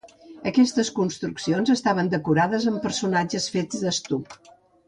Aquestes construccions estaven decorades amb personatges fets d'estuc.